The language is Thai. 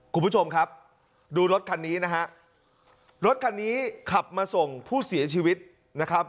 คุณผู้ชมครับดูรถคันนี้นะฮะรถคันนี้ขับมาส่งผู้เสียชีวิตนะครับ